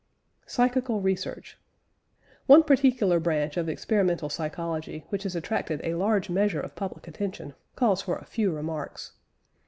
PSYCHICAL RESEARCH. One particular branch of experimental psychology, which has attracted a large measure of public attention, calls for a few remarks.